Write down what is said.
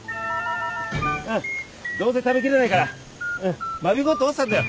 うんどうせ食べきれないから間引こうと思ってたんだよ。